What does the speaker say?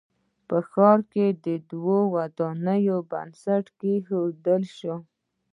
په ښار کښې د دوو ودانیو بنسټ کېښودل شو